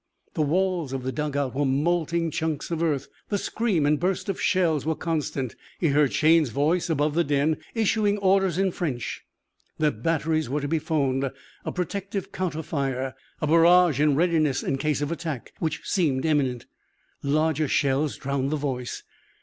The walls of the dug out were molting chunks of earth. The scream and burst of shells were constant. He heard Shayne's voice above the din, issuing orders in French. Their batteries were to be phoned. A protective counter fire. A barrage in readiness in case of attack, which seemed imminent. Larger shells drowned the voice.